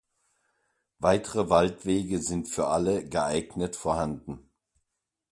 Weitere Waldwege sind für alle Geeignet vorhanden.